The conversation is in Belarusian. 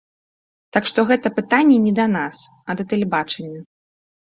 Так што гэта пытанне не да нас, а да тэлебачання.